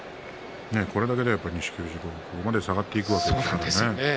これだけで錦富士もここまで下がっていくわけですからね。